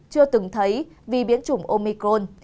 chưa từng thấy vì biến chủng omicron